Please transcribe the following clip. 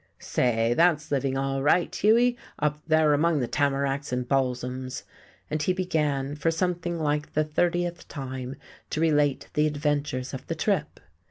"Say, that's living all right, Hughie, up there among the tamaracks and balsams!" And he began, for something like the thirtieth time, to relate the adventures of the trip.